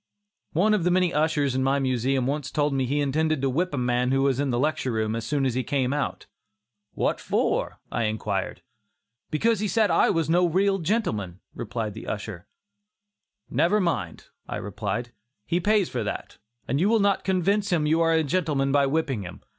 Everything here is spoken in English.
One of the ushers in my Museum once told me he intended to whip a man who was in the lecture room as soon as he came out. "What for?" I inquired. "Because he said I was no gentleman," replied the usher. "Never mind," I replied, "he pays for that, and you will not convince him you are a gentleman by whipping him.